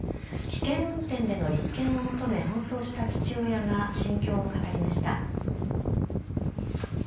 危険運転での立件を求め、奔走した父親が心境を語りました。